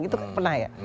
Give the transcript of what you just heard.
itu pernah ya